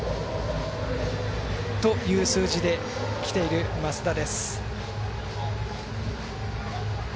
という数字で、きている増田です。